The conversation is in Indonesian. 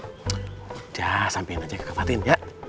udah sampein aja ke kak fatin ya